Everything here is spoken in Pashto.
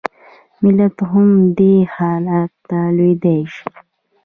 ملت هم دې حالت ته لوېدای شي.